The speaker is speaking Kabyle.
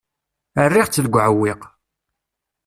Rriɣ-tt deg uɛewwiq.